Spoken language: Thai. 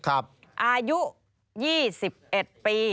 อายุ๒๑ปี